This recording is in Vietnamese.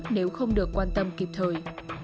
nếu không được quan tâm kịp thời